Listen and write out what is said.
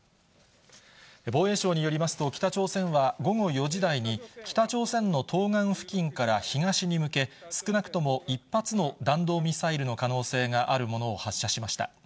防衛省によりますと、北朝鮮は、午後４時台に北朝鮮の東岸付近から東に向け、少なくとも１発の弾道ミサイルの可能性があるものを発射しました。